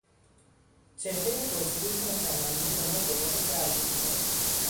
چهرهی پر چروک و مصمم او به ما قوت قلب میداد.